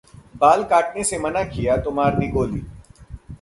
बाल काटने से मना किया तो मार दी गोली